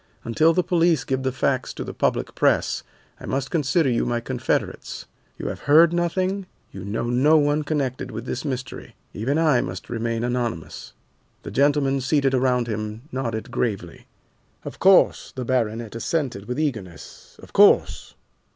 Until the police give the facts to the public press, I must consider you my confederates. You have heard nothing, you know no one connected with this mystery. Even I must remain anonymous." The gentlemen seated around him nodded gravely. "Of course," the baronet assented with eagerness, "of course."